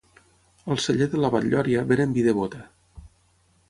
Al celler de la Batllòria venen vi de bota